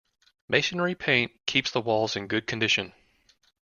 Masonry paint keeps the walls in good condition.